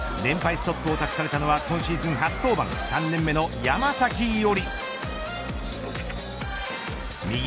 ストップを託されたのは今シーズン初登板３年目の山崎伊織。